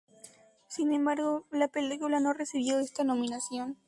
Sin embargo, la película no recibió esta nominación.